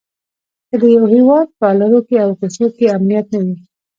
که د یوه هيواد په الرو او کوڅو کې امنيت نه وي؛